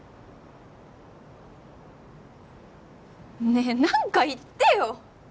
ねえなんか言ってよ！